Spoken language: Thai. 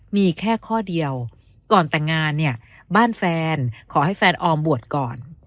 มีแค่ข้อเดียวก่อนแต่งงานเนี่ยบ้านแฟนขอให้แฟนออมบวชก่อน